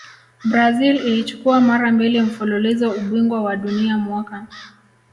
brazil ilichukua mara mbili mfululizo ubingwa wa dunia mwaka